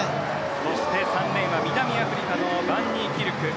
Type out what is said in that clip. そして、３レーンは南アフリカのバン・ニーキルク。